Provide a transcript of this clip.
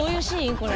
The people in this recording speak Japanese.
これ。